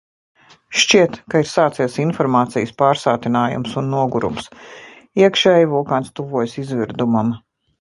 Šķiet, ka ir sācies informācijas pārsātinājums un nogurums... iekšēji vulkāns tuvojas izvirdumam...